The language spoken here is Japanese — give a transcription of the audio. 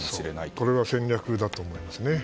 これが戦略だと思いますね。